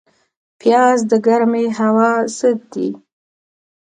پیاز د ګرمې هوا ضد دی